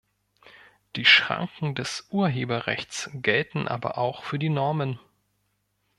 Die Schranken des Urheberrechts gelten aber auch für die Normen.